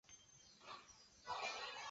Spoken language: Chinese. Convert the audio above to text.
细胞黏附分子中的称为的过程。